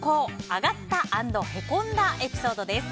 アガッた＆へこんだエピソードです。